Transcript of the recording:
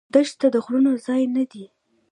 دښته د غرور ځای نه دی.